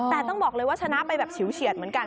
แต่ต้องบอกเลยว่าชนะไปแบบฉิวเฉียดเหมือนกัน